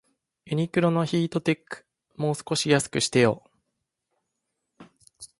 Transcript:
ユニクロのヒートテック、もう少し安くしてよ